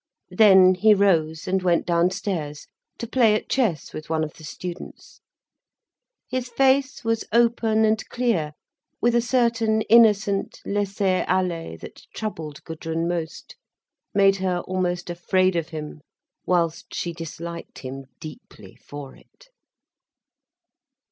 Then he rose, and went downstairs, to play at chess with one of the students. His face was open and clear, with a certain innocent laisser aller that troubled Gudrun most, made her almost afraid of him, whilst she disliked him deeply for it.